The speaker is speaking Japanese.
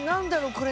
これ。